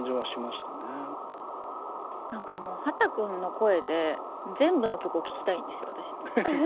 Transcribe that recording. なんかもう秦くんの声で全部の曲を聴きたいんです私。